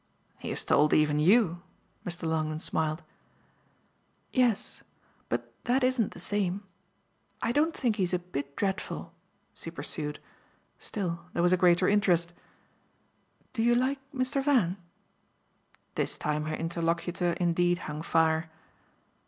"He has told even you," Mr. Longdon smiled. "Yes but that isn't the same. I don't think he's a bit dreadful," she pursued. Still, there was a greater interest. "Do you like Mr. Van?" This time her interlocutor indeed hung fire.